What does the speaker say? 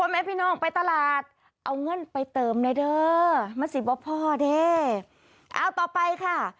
แม่พี่น้องไปตลาดเอาเงินไปเติมเลยเด้อมาสิบว่าพ่อเด้เอาต่อไปค่ะ